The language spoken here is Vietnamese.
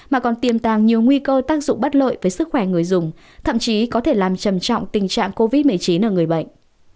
mà còn tiềm tàng nhiều nguy cơ tác dụng bất lợi với sức khỏe người dùng thậm chí có thể làm trầm trọng tình trạng covid một mươi chín ở người bệnh